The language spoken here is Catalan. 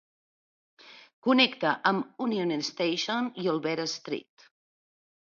Connecta amb Union Station i Olvera Street.